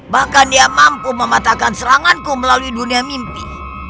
bahkan dia mampu mematahkan seranganku melalui dunia mimpi